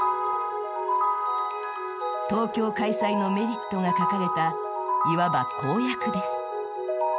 東京開催のメリットが書かれたいわば公約です。